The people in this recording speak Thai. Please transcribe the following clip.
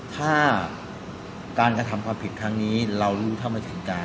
ถ้าการกระทำความผิดทางนี้มารู้แล้ว